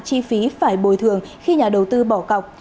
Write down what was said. chi phí phải bồi thường khi nhà đầu tư bỏ cọc